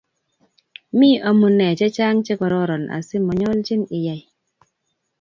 mi omunee chechang chekororon asi monyolchin iyai